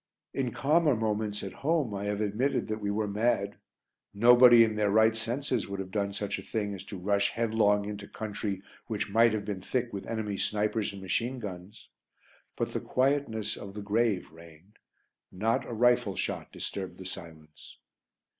In calmer moments at home I have admitted that we were mad. Nobody in their right senses would have done such a thing as to rush headlong into country which might have been thick with enemy snipers and machine guns. But the quietness of the grave reigned not a rifle shot disturbed the silence.